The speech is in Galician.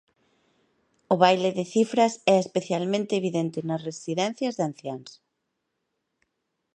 O baile de cifras é especialmente evidente nas residencias de anciáns.